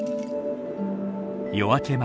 夜明け前。